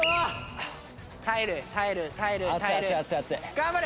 頑張れ！